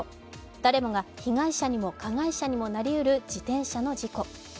誰もが被害者にも加害者にもなりうる自転車の事故。